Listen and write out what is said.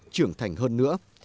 trưởng thành hơn nữa